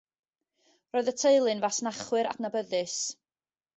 Roedd y teulu'n fasnachwyr adnabyddus.